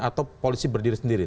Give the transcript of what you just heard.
atau polisi berdiri sendiri